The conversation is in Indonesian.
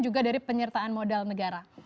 juga dari penyertaan modal negara